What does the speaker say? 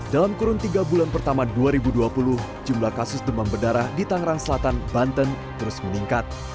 dalam kurun tiga bulan pertama dua ribu dua puluh jumlah kasus demam berdarah di tangerang selatan banten terus meningkat